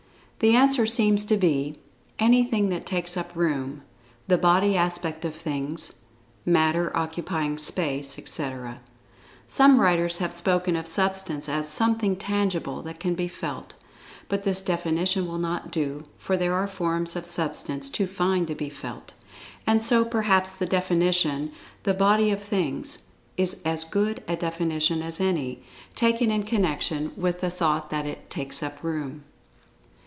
The answer seems to be: "Anything that takes up room; the Body aspect of Things; matter occupying space, etc." Some writers have spoken of Substance as "something tangible—that can be felt," but this definition will not do, for there are forms of Substance too fine to be felt. And so, perhaps the definition "The Body of Things," is as good a definition as any, taken in connection with the thought that it "takes up room."